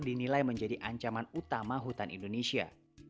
dinilai menjadi ancaman utama hutan indonesia